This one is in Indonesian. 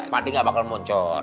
pak d nggak bakal muncul